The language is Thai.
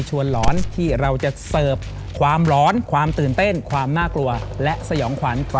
จะเสิร์ฟความร้อนความตื่นเต้นความน่ากลัวและสยองขวัญ